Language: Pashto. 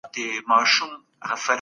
د مور چیغې نه هېریږي.